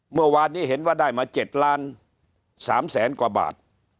เมื่อวานนี้เห็นว่าได้มา๗ล้าน๓แสนกว่าบาท